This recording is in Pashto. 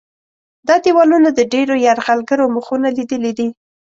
دا دیوالونه د ډېرو یرغلګرو مخونه لیدلي دي.